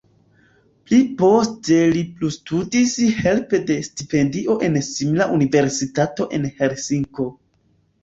Pli poste li plustudis helpe de stipendio en simila universitato en Helsinko.